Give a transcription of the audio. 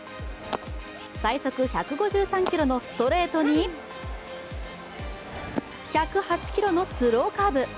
最速１５３キロのストレートに１０８キロのスローカーブ。